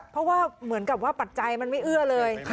เพราะว่าเหมือนกับว่าปัจจัยมันไม่เอื้อเลย